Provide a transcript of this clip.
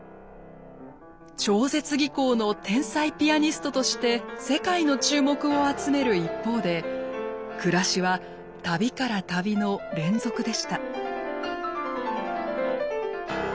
超絶技巧の天才ピアニストとして世界の注目を集める一方で暮らしは旅から旅の連続でした。